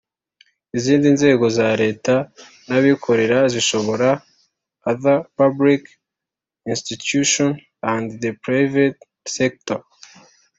Izindi nzego za Leta n abikorera zishobora Other public institutions and the private sector